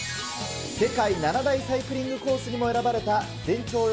世界７大サイクリングコースにも選ばれた全長